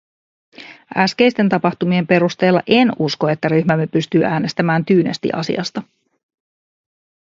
Äskeisten tapahtumien perusteella en usko, että ryhmämme pystyy äänestämään tyynesti asiasta.